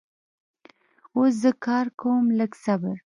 اوس زه کار کوم لږ صبر